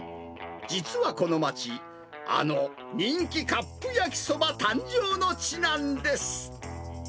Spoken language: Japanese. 実はこの街、あの人気カップ焼きそば誕生の地なんです。